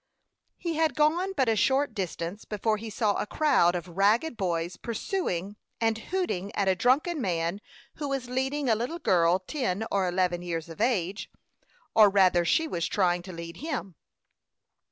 He had gone but a short distance before he saw a crowd of ragged boys pursuing and hooting at a drunken man who was leading a little girl ten or eleven years of age, or rather, she was trying to lead him.